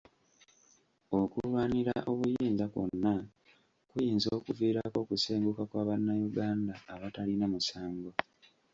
Okulwanira obuyinza kwonna kuyinza okuviirako okusenguka kwa bannayuganda abatalina musango.